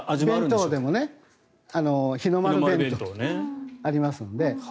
弁当もね日の丸弁当ありますので。